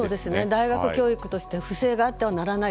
大学教育として不正があってはならない。